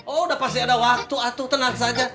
oh udah pasti ada waktu atu tenang saja